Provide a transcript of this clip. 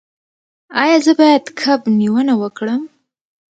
ایا زه باید کب نیونه وکړم؟